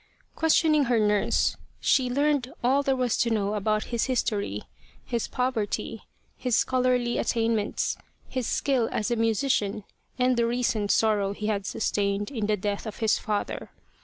Questioning her nurse, she learned all there was to know about his history, his poverty, his scholarly attainments, his skill as a musician and the recent sorrow he had sustained in the death of his father.